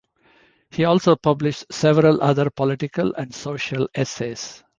He also published several other political and social essays.